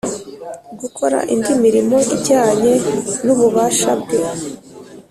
gukora indi mirimo ijyanye n ububasha bwe